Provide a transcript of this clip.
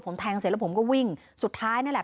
ผมแทงเสร็จแล้วผมก็วิ่งสุดท้ายนี่แหละ